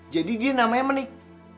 jadi dia namanya menik